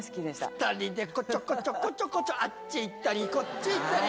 ２人でこちょこちょこちょこちょあっちへ行ったりこっちへ行ったり。